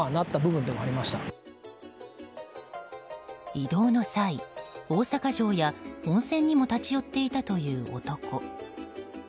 移動の際、大阪城や温泉にも立ち寄っていたという男。